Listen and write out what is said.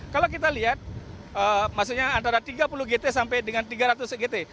kalau kita lihat maksudnya antara tiga puluh gt sampai dengan tiga ratus gt